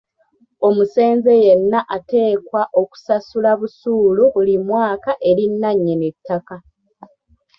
Omusenze yenna ateekwa okusasula busuulu buli mwaka eri nnannyini ttaka.